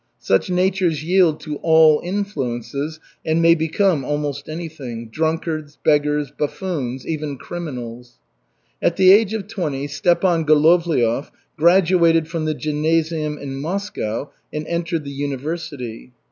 Such natures yield to all influences and may become almost anything drunkards, beggars, buffoons, even criminals. At the age of twenty Stepan Golovliov graduated from the gymnasium in Moscow and entered the university.